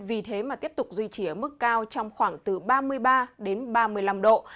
vì thế mà tiếp tục duy trì ở mức cao trong khoảng từ ba mươi ba đến ba mươi năm độ